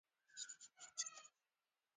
خپلواک لیکوالان د ټولني ستونزي په ښه ډول درک کوي.